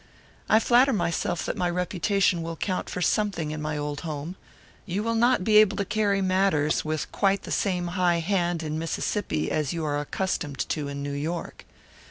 I flatter myself that my reputation will count for something in my old home; you will not be able to carry matters with quite the same high hand in Mississippi as you are accustomed to in New York.